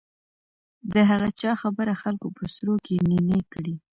د هغه چا خبره خلکو په سروو کې يې نينې کړې .